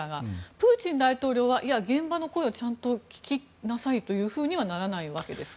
プーチン大統領はいや、現場の声はちゃんと聞きなさいというふうにはならないわけですか？